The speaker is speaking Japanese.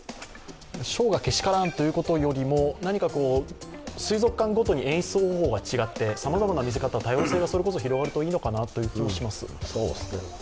ショーがけしからんということよりも、何か水族館ごとに演出方法が違ってさまざまな見せ方、多様性が広がるといいのかなという気がします。